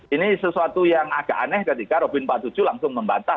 ini sesuatu yang agak aneh ketika robin empat puluh tujuh langsung membantah